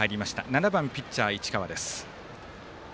７番、ピッチャー、市川です。